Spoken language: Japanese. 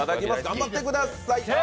頑張ってください。